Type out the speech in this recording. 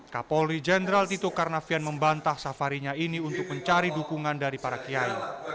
kapolri jenderal tito karnavian membantah safarinya ini untuk mencari dukungan dari para kiai